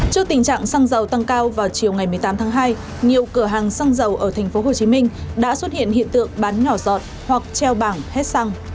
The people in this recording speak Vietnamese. trước tình trạng xăng dầu tăng cao vào chiều ngày một mươi tám tháng hai nhiều cửa hàng xăng dầu ở tp hcm đã xuất hiện hiện tượng bán nhỏ giọt hoặc treo bảng hết xăng